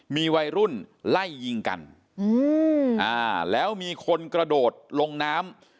มีวัยรุ่นไล่ยิงกันแล้วมีคนกระโดดลงน้ำ